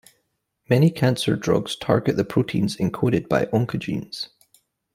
Many cancer drugs target the proteins encoded by oncogenes.